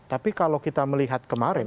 tapi kalau kita melihat kemarin